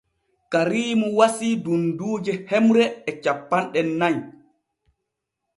Kariimu wasii dunduuje hemre e cappanɗe nay.